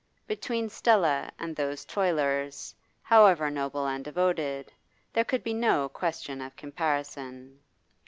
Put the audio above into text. Between Stella and those toilers, however noble and devoted, there could be no question of comparison.